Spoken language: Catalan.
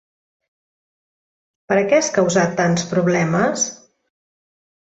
Per a què has causat tants problemes?